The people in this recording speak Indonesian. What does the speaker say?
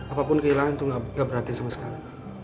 apapun kehilangan itu gak berarti sama sekali